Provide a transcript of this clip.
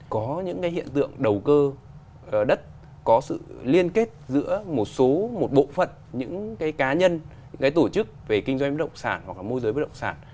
có những cái hiện tượng đầu cơ đất có sự liên kết giữa một số một bộ phận những cái cá nhân cái tổ chức về kinh doanh bất động sản hoặc là môi giới bất động sản